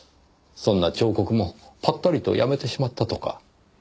そんな彫刻もぱったりとやめてしまったとか。